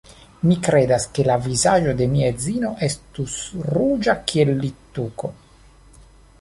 Mi kredas, ke la vizaĝo de mia edzino estus ruĝa kiel littuko.